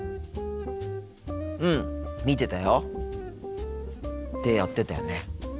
うん見てたよ。ってやってたよね。